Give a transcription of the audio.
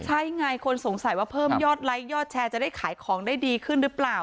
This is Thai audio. ใช่ไงคนสงสัยว่าเพิ่มยอดไลค์ยอดแชร์จะได้ขายของได้ดีขึ้นหรือเปล่า